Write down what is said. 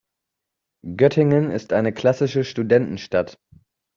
Göttingen ist eine klassische Studentenstadt.